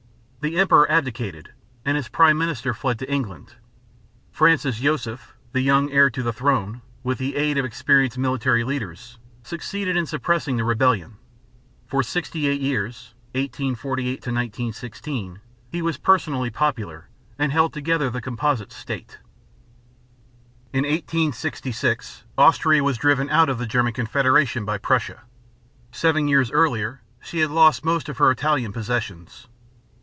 The emperor abdicated and his prime minister fled to England. Francis Joseph, the young heir to the throne, with the aid of experienced military leaders succeeded in suppressing the rebellion. For sixty eight years (1848 1916) he was personally popular and held together the composite state. In 1866 Austria was driven out of the German Confederation by Prussia. Seven years earlier she had lost most of her Italian possessions.